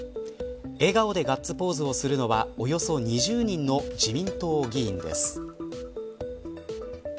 笑顔でガッツポーズをするのはおよそ２０人の自民党議員です。